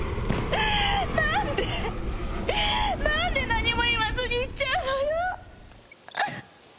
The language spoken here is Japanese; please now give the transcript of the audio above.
何で⁉何で何も言わずに行っちゃうのよ。